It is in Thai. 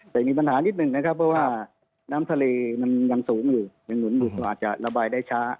แต่มีปัญหานิดหนึ่งนะครับเพราะว่าน้ำทะเลมันยังสูงอยู่ยังหนุนอยู่ก็อาจจะระบายได้ช้า